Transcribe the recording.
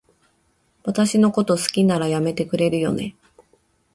私のこと好きなら、やめてくれるよね？